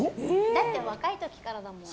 だって若い時からだもん。